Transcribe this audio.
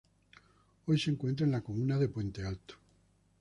Hoy se encuentra en la comuna de Puente Alto.